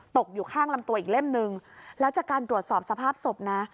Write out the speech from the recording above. ตกอยู่ข้างลำตัวอีกเล่มนึงแล้วจากการตรวจสอบสภาพศพนะ